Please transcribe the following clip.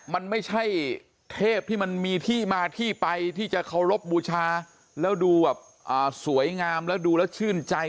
มันไม่ใช่เทพที่มันมีที่มาที่ไปที่จะเคารพบูชาแล้วดูแบบสวยงามแล้วดูแล้วชื่นใจ